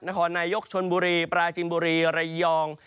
นห์นายชนบุรีปรากปลาจินบุรีเรอยอง